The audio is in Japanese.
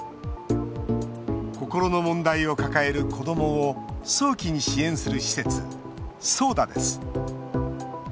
心の問題を抱える子どもを早期に支援する施設ＳＯＤＡです。